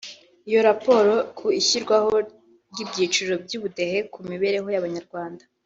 Iyo raporo ku ishyirwaho ry’ibyiciro by’Ubudehe ku mibereho y’Abanyarwanda